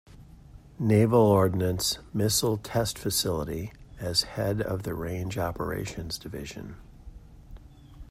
Naval Ordnance Missile Test Facility as head of the Range Operations Division.